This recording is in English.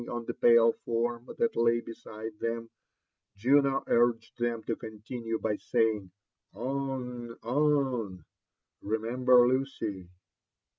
on the pale form that lay beside them, Juno urged them to continue, by saying, '' On, on : re member Lucy."